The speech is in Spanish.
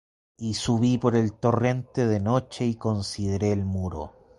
Y subí por el torrente de noche, y consideré el muro.